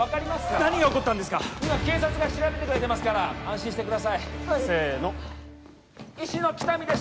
何が起こったんですか今警察が調べてくれてますから安心してくださいせーの医師の喜多見です